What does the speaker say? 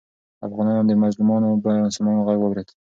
افغانانو د مظلومو مسلمانانو غږ واورېد.